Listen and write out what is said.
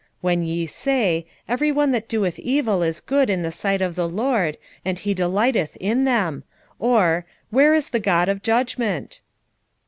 When ye say, Every one that doeth evil is good in the sight of the LORD, and he delighteth in them; or, Where is the God of judgment?